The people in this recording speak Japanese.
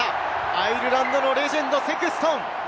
アイルランドのレジェンド、セクストン！